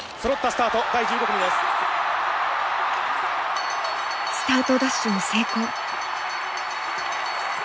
スタートダッシュに成功。